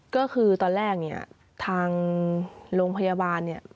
ก็คือตอนแรกเนี่ยทางโรงพยาบาลเนี่ย